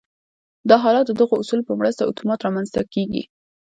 دا حالت د دغو اصولو په مرسته اتومات رامنځته کېږي